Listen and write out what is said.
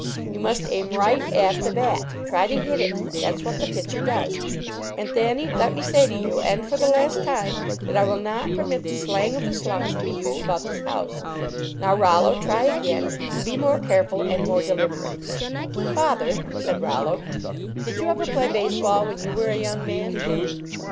You must aim right at the bat try to hit it that s what the pitcher does. And Thanny, let me say to you, and for the last time, that I will not per mit the slang of the slums to be used about this house. Now, Rollo, try again, and be more careful and more deliberate." 68 LEARNING TO PLAY "Father," said Rollo, "did you ever play base ball when you were a young man?"